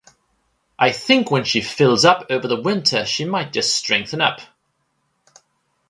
I think when she fills up over the winter she might just strengthen up.